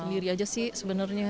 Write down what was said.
sendiri aja sih sebenarnya